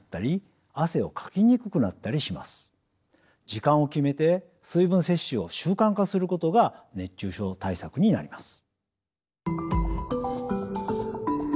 時間を決めて水分摂取を習慣化することが熱中症対策になります。